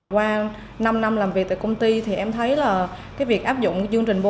qua năm năm làm việc tại công ty thì em thấy là việc áp dụng chương trình bốn